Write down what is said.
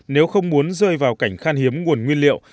nếu không muốn rơi vào cảnh khan hiếm nguồn nguyên liệu